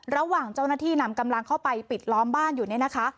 ระหว่างเจ้าหน้าที่นำกำลังเข้าไปปิดล้อมบ้านอยู่เนี่ยนะคะ